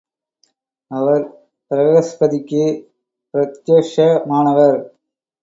அவர் பிரஹஸ்பதிக்கு பிரத்யக்ஷமானவர்.